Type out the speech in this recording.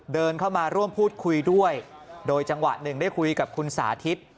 เดินเข้ามาร่วมพูดคุยด้วยโดยจังหวะหนึ่งได้คุยกับคุณสาธิต